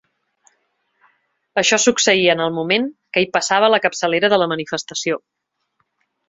Això succeïa en el moment que hi passava la capçalera de la manifestació.